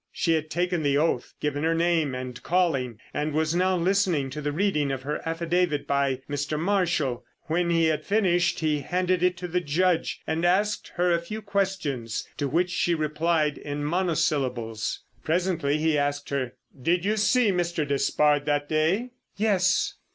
She had taken the oath, given her name and calling, and was now listening to the reading of her affidavit by Mr. Marshall. When he had finished he handed it to the Judge, and asked her a few questions, to which she replied in monosyllables. Presently he asked her: "Did you see Mr. Despard that day?" "Yes."